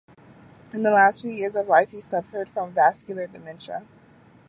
In the last few years of his life he suffered from vascular dementia.